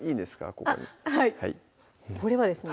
ここにはいこれはですね